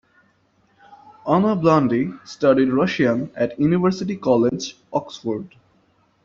Anna Blundy studied Russian at University College, Oxford.